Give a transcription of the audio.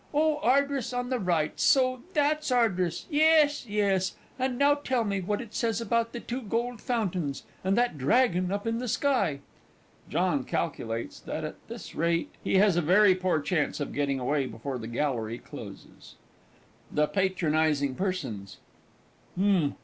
Oh, Ardres on the right so that's Ardres yes, yes; and now tell me what it says about the two gold fountains, and that dragon up in the sky. [JOHN calculates that, at this rate, he has a very poor chance of getting away before the Gallery closes. THE PATRONISING PERSONS.